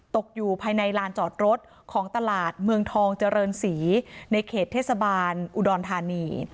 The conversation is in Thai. ตกอยู่ภายในลานจอดรถของตลาดเมืองทองเจริญศรีในเขตเทศบาลอุดรธานี